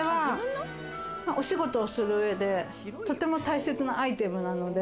お仕事をする上で、とても大切なアイテムなので。